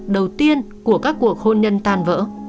đầu tiên của các cuộc hôn nhân tan vỡ